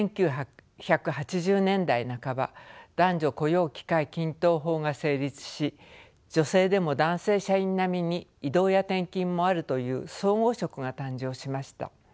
１９８０年代半ば男女雇用機会均等法が成立し女性でも男性社員並みに異動や転勤もあるという総合職が誕生しました。